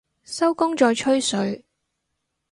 收工再吹水